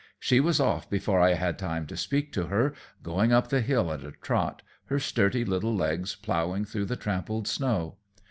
She was off before I had time to speak to her, going up the hill at a trot, her sturdy little legs plowing through the trampled snow.